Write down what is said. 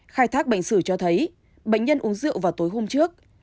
khai thác bệnh sử cho thấy bệnh nhân uống rượu vào tối hôm trước